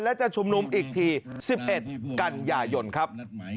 และจะชุมนุมอีกที๑๑กันยายนครับ